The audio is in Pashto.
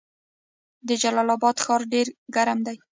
د جلال اباد ښار ډیر ګرم دی